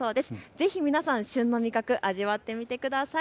ぜひ皆さん旬の味覚味わってみてください。